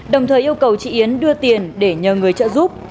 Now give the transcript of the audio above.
đồng thời yêu cầu chị yến đưa tiền để nhờ người trợ giúp